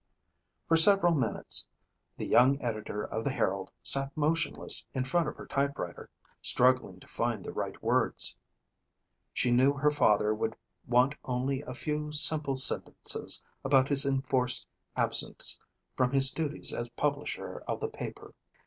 For several minutes the young editor of the Herald sat motionless in front of her typewriter, struggling to find the right words. She knew her father would want only a few simple sentences about his enforced absence from his duties as publisher of the paper.